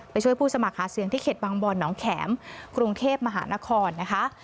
ช่วยผู้สมัครหาเสียงที่เขตบางบอนน้องแข็มกรุงเทพมหานครนะคะ